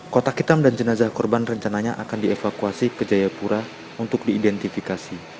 kotak hitam dan jenazah korban rencananya akan dievakuasi ke jayapura untuk diidentifikasi